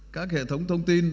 các hệ thống thông tin